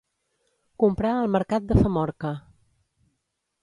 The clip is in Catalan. Comprar al mercat de Famorca.